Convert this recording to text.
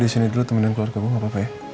lo di sini dulu temenin keluarga bu gak apa apa ya